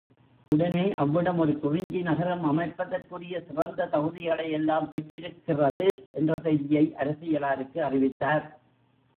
உடனே, அவ்விடம் ஒரு குறிஞ்சி நகரம் அமைப்பதற்குரிய சிறந்த தகுதிகளையெல்லாம் பெற்றிருக்கிறது என்ற செய்தியை அரசியலாருக்கு அறிவித்தார்.